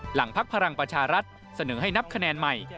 พักพลังประชารัฐเสนอให้นับคะแนนใหม่